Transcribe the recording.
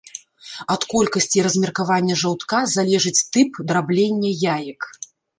Ад колькасці і размеркавання жаўтка залежыць тып драбнення яек.